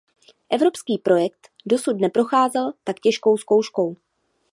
Evropský projekt dosud neprocházel tak těžkou zkouškou.